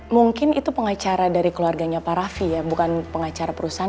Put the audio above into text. mungkin itu pengacara dari keluarganya pak raffi ya bukan pengacara perusahaan